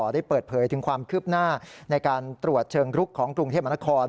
ได้เปิดเผยถึงความคืบหน้าในการตรวจเชิงรุกของกรุงเทพมนคร